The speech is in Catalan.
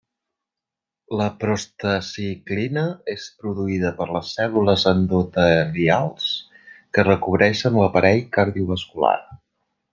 La prostaciclina és produïda per les cèl·lules endotelials que recobreixen l'aparell cardiovascular.